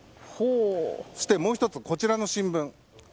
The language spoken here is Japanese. そしてもう１つ、こちらの新聞。